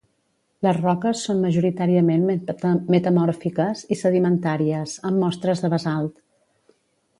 Les roques són majoritàriament metamòrfiques i sedimentàries, amb mostres de basalt.